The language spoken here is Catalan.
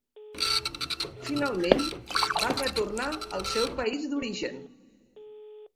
Finalment, va retornar al seu país d'origen.